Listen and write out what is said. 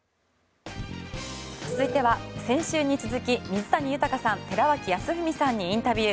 続いては先週に続き水谷豊さん、寺脇康文さんにインタビュー。